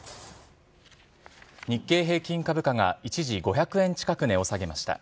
日経平均株価が一時５００円近く値を下げました。